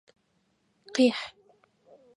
Къихь!